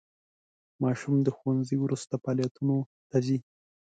ماشوم د ښوونځي وروسته فعالیتونو ته ځي.